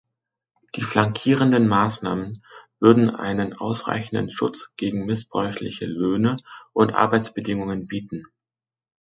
Die flankierenden Massnahmen würden einen ausreichenden Schutz gegen missbräuchliche Löhne und Arbeitsbedingungen bieten.